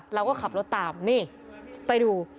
เราก็ขับรถตามนี่ไปดู